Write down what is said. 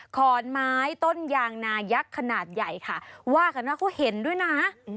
ขอนไม้ต้นยางนายักษ์ขนาดใหญ่ค่ะว่ากันว่าเขาเห็นด้วยนะ